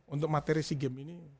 untuk materi sigim ini